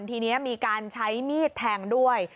ทีนี้มีการใช้มีดแทงด้วย